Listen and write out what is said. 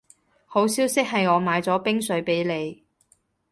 好消息係我買咗冰水畀你